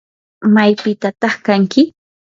¿maypitataq kanki?